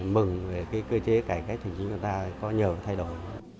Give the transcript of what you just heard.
mừng về cái cơ chế cải cách hành chính của chúng ta có nhiều thay đổi